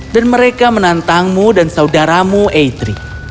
dan mereka menantangmu dan saudaramu eitri